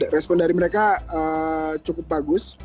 respon dari mereka cukup bagus